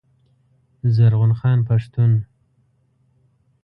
زرغون خان پښتون